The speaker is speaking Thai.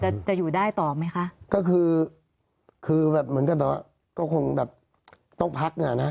จะจะอยู่ได้ต่อไหมคะก็คือคือแบบเหมือนกันแต่ว่าก็คงแบบต้องพักเนี่ยนะ